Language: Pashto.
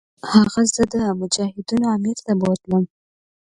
هغه زه مجاهدینو امیر ته بوتلم.